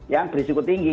yang berisiko tinggi